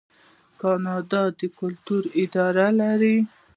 کاناډا د کلتور اداره لري.